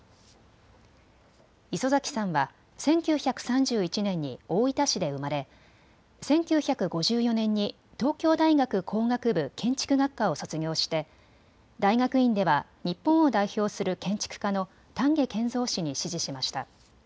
磯崎さんは１９３１年に大分市で生まれ、１９５４年に東京大学工学部建築学科を卒業して大学院では日本を代表する建築家の丹下健三氏に師事しました。